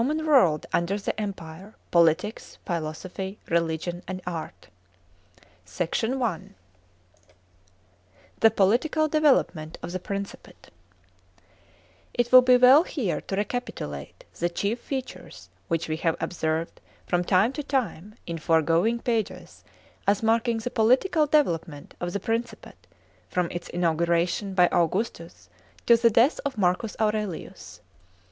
Sculpture. § 29. Painting. 27 B.C. 180 A.D. THE DYARCHY. 563 SECT. I. — THE POLITICAL DEVELOPMENT OF THE PRIKCIPATE. § 1. IT will be well here to recapitulate the chief features which we have observed from time to time in the foregoing pages as marking the political development of the Pducipate, from its inauguration by Augustus to the death of Marcus Aurelius.